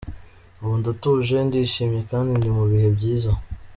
Ubu ndatuje, ndishimye kandi ndi mu bihe byiza.